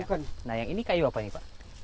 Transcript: bukan nah yang ini kayu apa ini pak